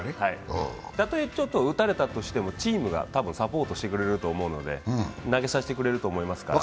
たとえちょっと打たれたとしてもチームがサポートしてくれると思うので、投げさせてくれると思いますから。